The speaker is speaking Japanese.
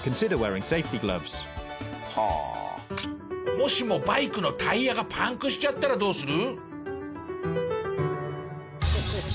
もしもバイクのタイヤがパンクしちゃったらどうする？